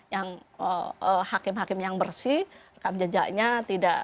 yang hakim hakim yang bersih rekam jejaknya tidak